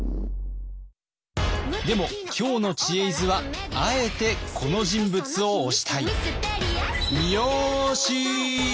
でも今日の「知恵泉」はあえてこの人物を推したい。